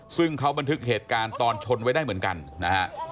ซึ่งเขาบันทึกเหตุการณ์ตอนชนไว้ได้เหมือนกันนะฮะ